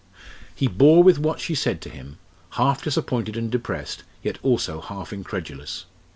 He bore with what she said to him, half disappointed and depressed, yet also half incredulous.